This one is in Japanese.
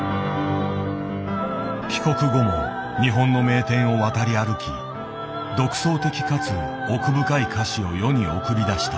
帰国後も日本の名店を渡り歩き独創的かつ奥深い菓子を世に送り出した。